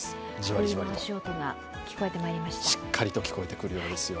冬の足音がしっかりと聞こえてくるようですよ。